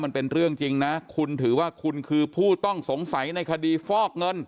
มันเป็นเรื่องจริงนะคุณถือว่าคุณคือผู้ต้องสงสัยในคดีฟอกเงิน